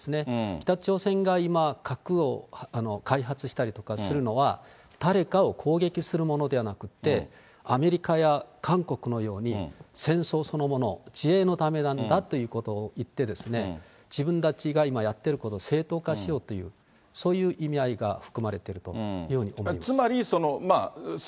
北朝鮮が今、核を開発したりとかするのは、誰かを攻撃するものではなくって、アメリカや韓国のように、戦争そのものを自衛のためなんだということを言って、自分たちが今、やっていることを正当化しようという、そういう意味合いが含まれているように思います。